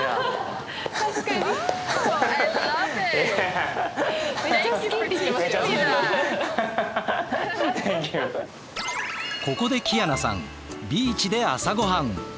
ここでキアナさんビーチで朝ごはん。